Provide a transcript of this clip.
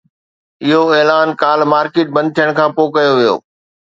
اهو اعلان ڪالهه مارڪيٽ بند ٿيڻ کانپوءِ ڪيو ويو